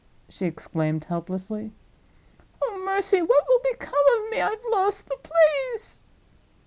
she exclaimed helplessly. "Oh, mercy, what will become of me! I've lost the place."